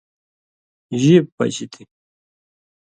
ژیب پچیۡ تھی۔